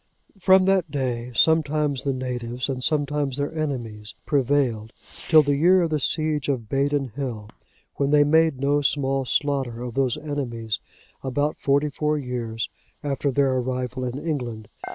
From that day, sometimes the natives, and sometimes their enemies, prevailed, till the year of the siege of Badon hill,(91) when they made no small slaughter of those enemies, about forty four years after their arrival in England.